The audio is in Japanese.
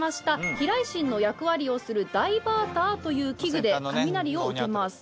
避雷針の役割をするダイバーターという機具で雷を受けます。